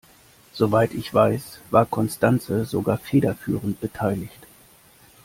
Soweit ich weiß, war Constanze sogar federführend beteiligt.